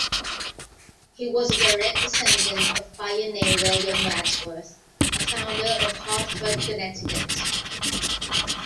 He was a direct descendant of pioneer William Wadsworth, a founder of Hartford, Connecticut.